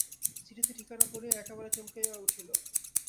চিঠিতে ঠিকানা পড়িয়াই একেবারে চমকিয়া উঠিল।